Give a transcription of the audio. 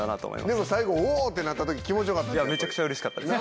でも最後「お！」ってなった時気持ち良かった？